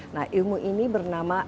nah ilmu ini bernama